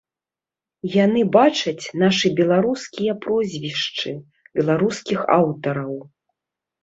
Яны бачаць нашы беларускія прозвішчы, беларускіх аўтараў.